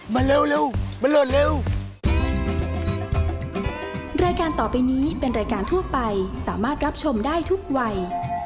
มาเร็วมาโหลดเร็ว